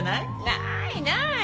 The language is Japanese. ないない。